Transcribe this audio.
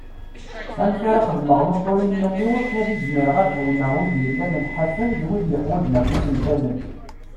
Amek ara xedmeɣ lutu i yiman-iw akken ad izmireɣ ad ɛiwneɣ wid yellan nḥafen d wid yeḥwaǧen afus n tallelt.